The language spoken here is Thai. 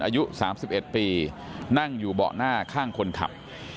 อายุ๓๑ปีนั่งอยู่เบาะหน้าข้างคนขับ